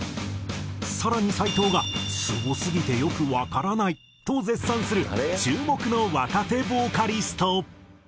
更に斎藤が「スゴすぎてよくわからない」と絶賛する注目の若手ボーカリスト。